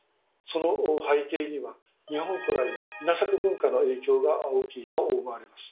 その背景には日本古来の稲作文化の影響が大きいと思われます。